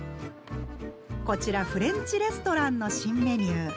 こちらフレンチレストランの新メニュー。